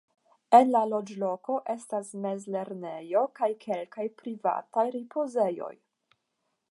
En la loĝloko estas mez-lernejo kaj kelkaj privataj ripozejoj.